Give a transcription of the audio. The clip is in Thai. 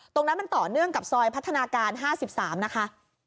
ตรงนั้นมันต่อเนื่องกับซอยพัฒนาการ๕๓นะคะ